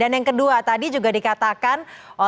yang tadi juga dikatakan